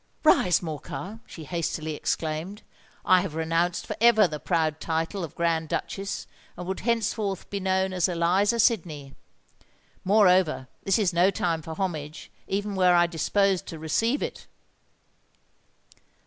"Rise, Morcar," she hastily exclaimed: "I have renounced for ever the proud title of Grand Duchess, and would henceforth be known as Eliza Sydney. Moreover, this is no time for homage—even were I disposed to receive it."